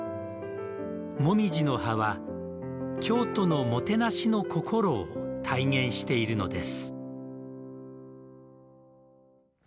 モミジの葉は京都のもてなしの心を体現しているのです。